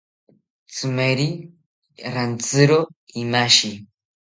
Tzimeri rantizro imashi